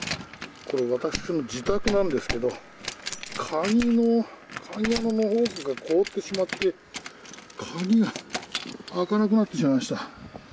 私の自宅なんですけど鍵穴の奥が凍ってしまって鍵が開かなくなってしまいました。